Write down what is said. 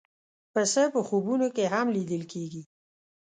پسه په خوبونو کې هم لیدل کېږي.